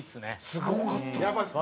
すごかった。